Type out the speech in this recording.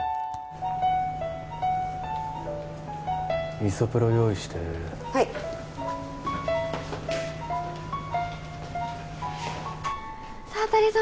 イソプロ用意してはい沢渡さん